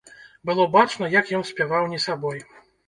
Было бачна, як ён спяваў не сабой.